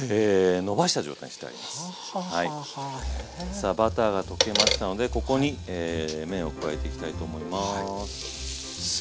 さあバターが溶けましたのでここに麺を加えていきたいと思います。